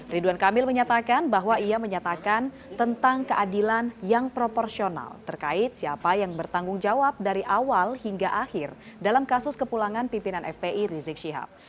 ridwan kamil menyatakan bahwa ia menyatakan tentang keadilan yang proporsional terkait siapa yang bertanggung jawab dari awal hingga akhir dalam kasus kepulangan pimpinan fpi rizik syihab